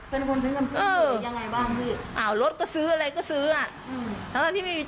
เป็นคนใช้เงินผู้เสื่อยยังไงบ้างพี่